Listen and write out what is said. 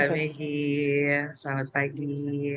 sama sama mbak megi selamat pagi